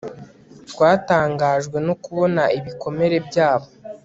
Twatangajwe no kubona ibikomere byabo